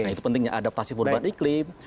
nah itu pentingnya adaptasi perubahan iklim